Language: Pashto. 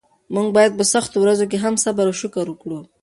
موږ باید په سختو ورځو کې هم صبر او شکر وکړو.